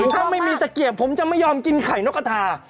ถ้าไม่มีตะเกียบผมจะไม่ยอมกินไข่นกกระทา